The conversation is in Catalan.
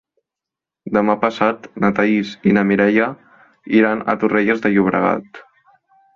Demà passat na Thaís i na Mireia iran a Torrelles de Llobregat.